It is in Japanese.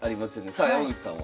さあ山口さんは？